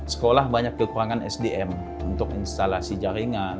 sekolah banyak kekurangan sdm untuk instalasi jaringan